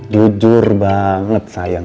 jujur banget sayang